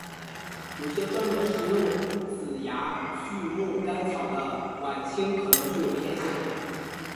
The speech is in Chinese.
有些专门食用紫芽苜蓿干草的莞菁可能具有危险性。